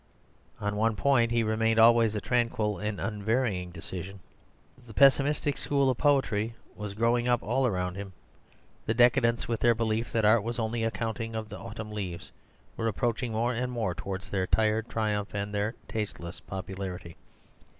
On one point he maintained always a tranquil and unvarying decision. The pessimistic school of poetry was growing up all round him; the decadents, with their belief that art was only a counting of the autumn leaves, were approaching more and more towards their tired triumph and their tasteless popularity.